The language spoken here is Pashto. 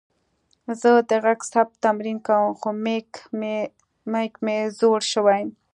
زه د غږ ثبت تمرین کوم، خو میک مې زوړ شوې.